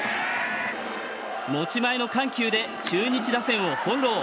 持ち前の緩急で中日打線を翻弄。